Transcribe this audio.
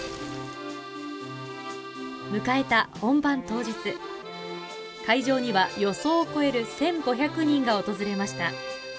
迎えた本番当日、会場には予想を超える１５００人が訪れました。